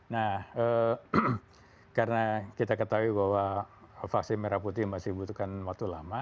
nah karena kita ketahui bahwa vaksin merah putih masih butuhkan waktu lama